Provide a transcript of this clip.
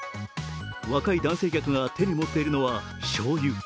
若い男性客が手に持っているのはしょうゆ。